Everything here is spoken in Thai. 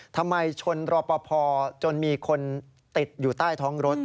ทำไมชนรอปภจนมีคนติดอยู่ใต้ท้องรถ